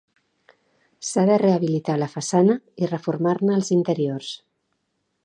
S'ha de rehabilitar la façana i reformar-ne els interiors.